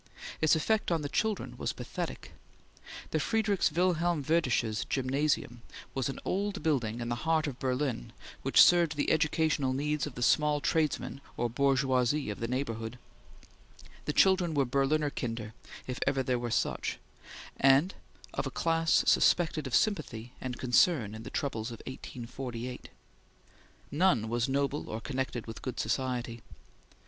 Its effect on the children was pathetic. The Friedrichs Wilhelm Werdersches Gymnasium was an old building in the heart of Berlin which served the educational needs of the small tradesmen or bourgeoisie of the neighborhood; the children were Berliner kinder if ever there were such, and of a class suspected of sympathy and concern in the troubles of 1848. None was noble or connected with good society.